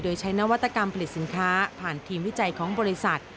โดยใช้นวัตกรรมผลิตสินค้าผ่านทีมวิจัยของบริษัท